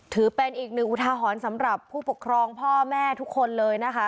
ถือเป็นอีกหนึ่งอุทาหรณ์สำหรับผู้ปกครองพ่อแม่ทุกคนเลยนะคะ